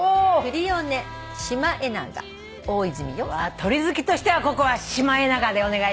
鳥好きとしてはここはシマエナガでお願いします。